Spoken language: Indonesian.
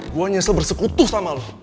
gue nyesel bersekutu sama lo